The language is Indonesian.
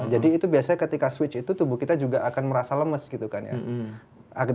jadi itu biasanya ketika switch itu tubuh kita juga akan merasa lemes gitu kan ya